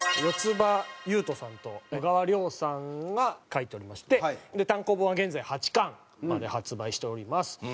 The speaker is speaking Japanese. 四葉夕卜さんと小川亮さんが描いておりまして単行本は現在８巻まで発売しております。